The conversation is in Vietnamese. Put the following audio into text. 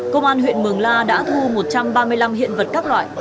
công an huyện mường la đã thu một trăm ba mươi năm hiện vật các loại